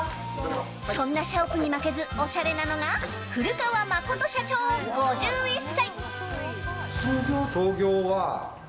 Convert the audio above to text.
その社屋に負けずおしゃれなのが古川慎人社長、５１歳。